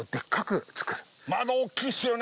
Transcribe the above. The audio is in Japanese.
窓大きいですよね！